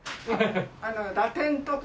あのラテンとか。